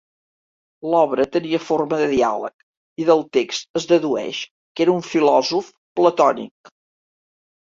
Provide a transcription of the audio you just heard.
L'obra tenia forma de diàleg i del text es dedueix que era un filòsof platònic.